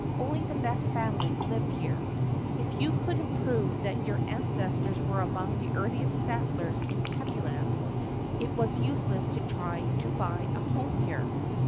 Only the best families lived here. If you could n't prove that your ancestors were among the earliest settlers in Tabbyland it was useless to try to buy a home here.